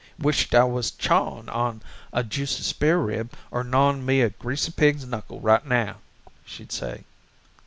"Wisht I was chawin' on a juicy sparerib or gnawin' me a greasy pig's knuckle right now," she'd say.